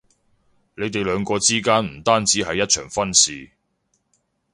你哋兩個之間唔單止係一場婚事